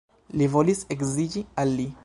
Mi volis edziĝi al li.